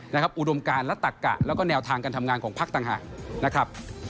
องค์อุดมการะตะกะและแนวทางการทำงานของพักตังหา